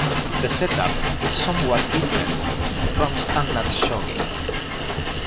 The setup is somewhat different from standard shogi.